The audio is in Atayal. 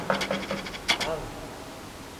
Yuhaw: ang